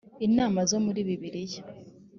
inama zo muri bibiliya